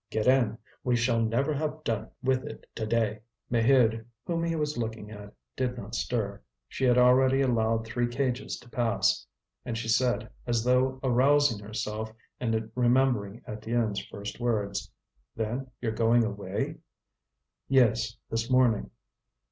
"Get in; we shall never have done with it today." Maheude, whom he was looking at, did not stir. She had already allowed three cages to pass, and she said, as though arousing herself and remembering Étienne's first words: "Then you're going away?" "Yes, this morning."